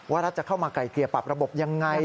รัฐจะเข้ามาไกลเกลี่ยปรับระบบยังไง